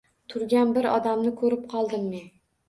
Turgan bir odamni ko’rib qoldim men.